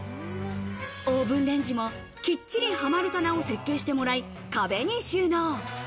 オーブンレンジもきっちりはまる棚を設計してもらい、壁に収納。